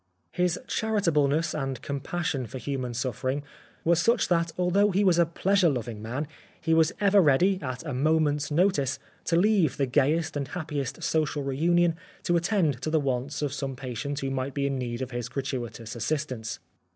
His charitableness and compassion for human suffering were such that although he was a pleasure loving man he was ever ready, at a moment's notice, to leave the gayest and happiest social reunion to attend to the wants of some patient who might be in need of his gratuitous assistance.